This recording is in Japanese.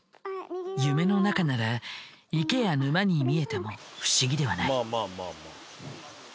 夢の中なら池や沼に見えても不思議ではない。